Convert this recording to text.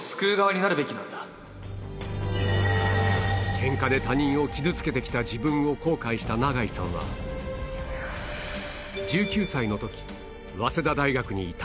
ケンカで他人を傷つけてきた自分を後悔した永井さんは１９歳の時早稲田大学にいた